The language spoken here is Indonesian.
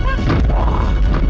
ada raksasa yang tinggalkan